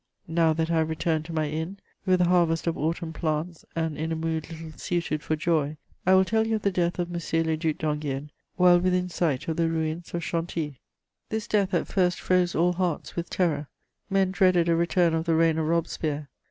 Now that I have returned to my inn, with a harvest of autumn plants and in a mood little suited for joy, I will tell you of the death of M. le Duc d'Enghien while within sight of the ruins of Chantilly. * [Sidenote: Protest of Louis XVIII.] This death at first froze all hearts with terror; men dreaded a return of the reign of Robespierre.